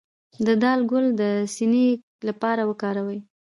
د دال ګل د سینې لپاره وکاروئ